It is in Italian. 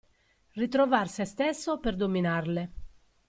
Ritrovar sé stesso per dominarle.